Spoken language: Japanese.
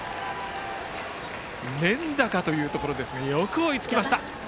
連打かというところですがよく追いつきました。